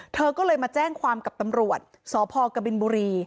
เธอก็เลยมาแจ้งความกับตำรวจสพกบินบุรี